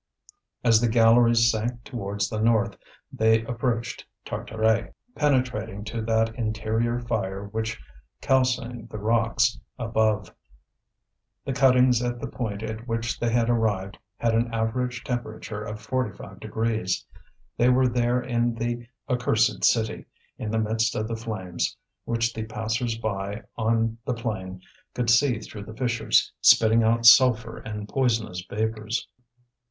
As the galleries sank towards the north, they approached Tartaret, penetrating to that interior fire which calcined the rocks above. The cuttings at the point at which they had arrived had an average temperature of forty five degrees. They were there in the accursed city, in the midst of the flames which the passers by on the plain could see through the fissures, spitting out sulphur and poisonous vapours.